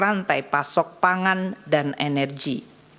dan juga penyusunan pasok pangan dan energi